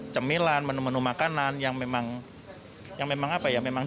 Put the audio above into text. cemilan menu menu makanan yang memang yang memang apa ya memang